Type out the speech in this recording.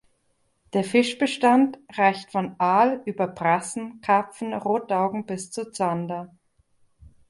Der Fischbestand reicht von Aal über Brassen, Karpfen, Rotaugen bis zu Zander.